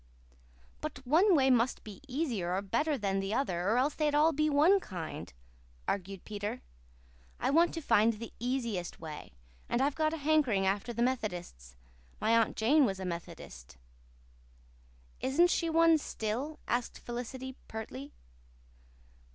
"But one way must be easier or better than the other, or else they'd all be one kind," argued Peter. "I want to find the easiest way. And I've got a hankering after the Methodists. My Aunt Jane was a Methodist." "Isn't she one still?" asked Felicity pertly.